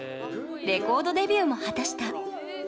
レコードデビューも果たした。